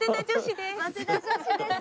早稲田女子です。